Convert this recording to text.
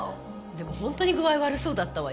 でもほんとに具合悪そうだったわよ。